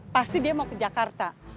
pasti dia mau ke jakarta